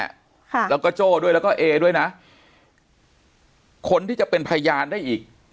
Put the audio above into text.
ค่ะแล้วก็โจ้ด้วยแล้วก็เอด้วยนะคนที่จะเป็นพยานได้อีก